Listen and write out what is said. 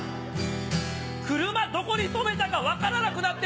車どこに止めたか分からなくなって